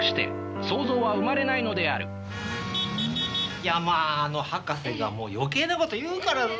いやまあ博士がもう余計なこと言うからさ